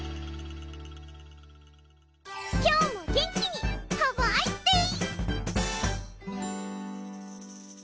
今日も元気にハバアイスデー！